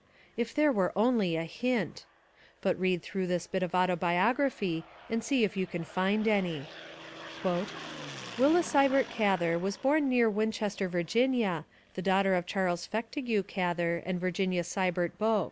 If there were only a hint! But read through this bit of autobiography and see if you can find any. "Willa Sibert Gather was born near Winchester, Virginia, the daughter of Charles Fectigue Gather and Virginia Sibert Boak.